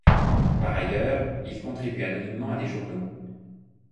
Par ailleurs, il contribue anonymement à des journaux.